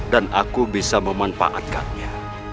dan aku bisa memanfaatkannya